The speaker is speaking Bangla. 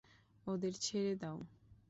ওদের ছেড়ে দাও।